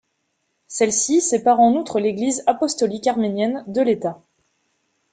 Celle-ci sépare en outre l'Église apostolique arménienne de l'État.